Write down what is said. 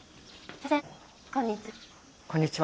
先生こんにちは。